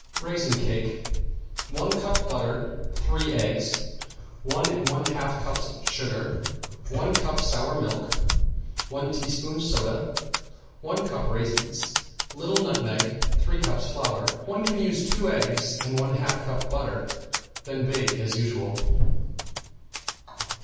~RAISIN CAKE~ One cup butter, three eggs, one and one half cups sugar, one cup sour milk, one teaspoon soda, one cup raisins, little nutmeg, three cups flour. One can use two eggs and one half cup butter; then bake as usual.